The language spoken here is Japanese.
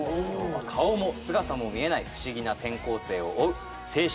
顔も姿も見えない不思議な転校生を追う青春